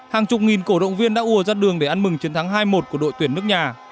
hàng chục nghìn cổ động viên đã ùa ra đường để ăn mừng chiến thắng hai một của đội tuyển nước nhà